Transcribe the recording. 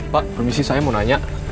pak permisi saya mau nanya